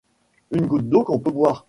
Une goutte d’eau qu’on peut boire.